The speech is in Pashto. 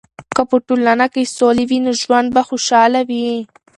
که په ټولنه کې سولې وي، نو ژوند به خوشحاله وي.